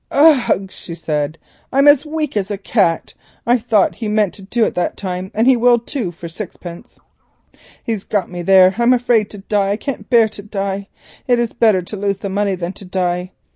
"Ugh," she said, "I'm as weak as a cat. I thought he meant to do it that time, and he will too, for sixpence. He's got me there. I am afraid to die. I can't bear to die. It is better to lose the money than to die.